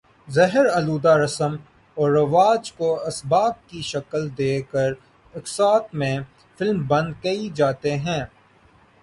زہر آلودہ رسم و رواج کو اسباق کی شکل دے کر اقساط میں فلم بند کئے جاتے ہیں